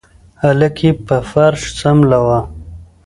هلک يې په فرش سملوه.